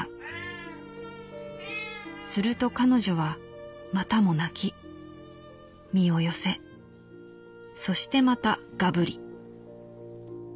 すると彼女はまたも啼き身を寄せそしてまたガブリ」。